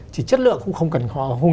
chỉ chất lượng không cần họ